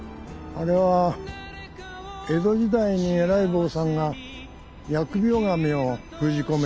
あれは江戸時代に偉い坊さんが疫病神を封じ込めたんだって。